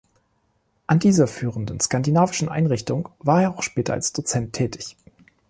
An dieser führenden skandinavischen Einrichtung war er auch später als Dozent tätig.